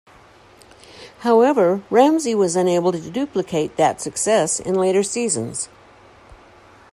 However, Ramsay was unable to duplicate that success in later seasons.